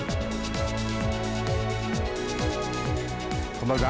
こんばんは。